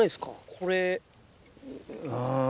これ。